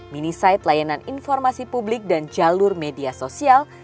mini site layanan informasi publik dan jalur media sosial